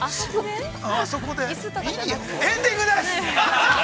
◆エンディングの話。